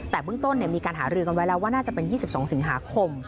แต่เบื้องต้นมีการหารือกันไว้แล้วว่าน่าจะเป็น๒๒สิงหาคม